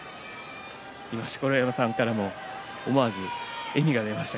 錣山さんからも思わず笑みが出ました。